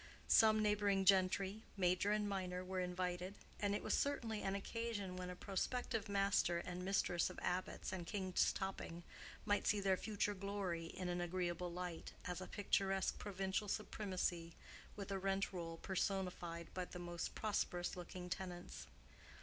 Some neighboring gentry, major and minor, were invited; and it was certainly an occasion when a prospective master and mistress of Abbott's and King's Topping might see their future glory in an agreeable light, as a picturesque provincial supremacy with a rent roll personified by the most prosperous looking tenants.